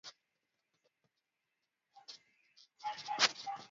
Kuna nyumba za famila za tabaka la matajiri Waarabu zenye milango yenye mapambo mazuri